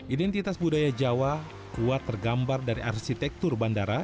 identitas budaya jawa kuat tergambar dari arsitektur bandara